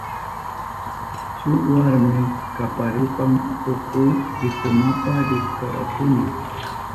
Shuk warmi kaparishpan tukuy rikunapa rishkakuna.